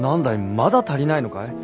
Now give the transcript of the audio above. まだ足りないのかい？